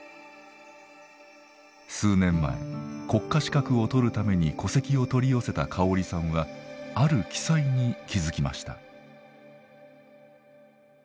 数年前国家資格を取るために戸籍を取り寄せた香織さんはある記載に気付きました。